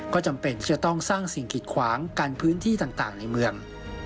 ก็จำเป็นที่จะต้องสร้างสิ่งกิดขวางกันพื้นที่ต่างในเมือง